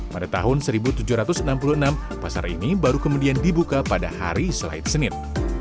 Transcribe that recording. pada tahun seribu tujuh ratus enam puluh enam pasar ini baru kemudian dibuka pada hari selait senin